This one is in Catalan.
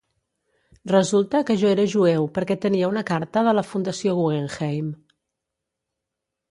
Resulta que jo era jueu perquè tenia una carta de la Fundació Guggenheim.